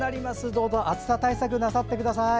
どうぞ暑さ対策なさってください。